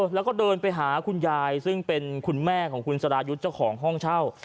แล้วก็เดินไปหาคุณยายซึ่งเป็นคุณแม่ของคุณสรายุทธ์เจ้าของห้องเช่า